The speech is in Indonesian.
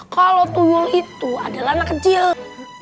kalau tuwul itu adalah anak kecil